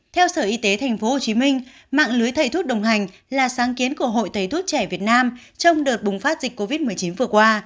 theo sở y tế tp hcm mạng lưới thầy thuốc đồng hành là sáng kiến của hội thầy thuốc trẻ việt nam trong đợt bùng phát dịch covid một mươi chín vừa qua